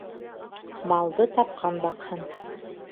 Малды тапҡан баҡһын